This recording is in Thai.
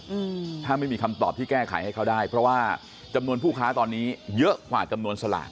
อืมถ้าไม่มีคำตอบที่แก้ไขให้เขาได้เพราะว่าจำนวนผู้ค้าตอนนี้เยอะกว่าจำนวนสลาก